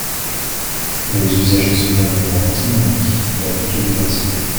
Les usagers sont un élément dynamique de la biodiversité.